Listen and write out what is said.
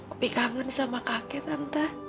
opil kangen sama kakek tante